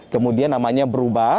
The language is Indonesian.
kemudian namanya berubah